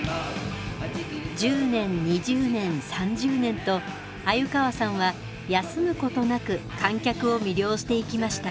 １０年２０年３０年と鮎川さんは休むことなく観客を魅了していきました。